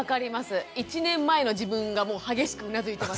１年前の自分がもう激しくうなずいてます。